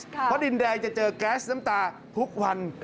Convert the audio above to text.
เพราะดินแดงจะเจอแก๊สน้ำตาทุกวัน